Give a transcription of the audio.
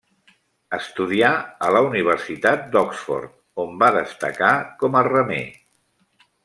Estudià a la Universitat d'Oxford, on va destacar com a remer.